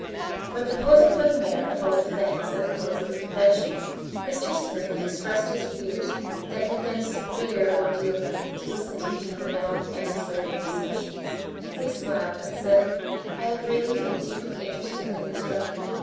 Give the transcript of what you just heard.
When proposing for the Mayor a vote of thanks, at the close of the convention, Mr. Smith expressed his fears that it had been a severe ordeal for him to listen to these prolonged anti slavery discussions. He smiled, and said: "I have really been deeply interested and instructed.